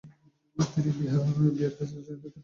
তিনি ''rare gas traverse" খ্যাতি লাভ করেন।